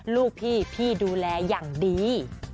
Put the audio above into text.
ลูกพี่พี่ดูแลอย่างดี